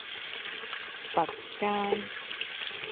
弼街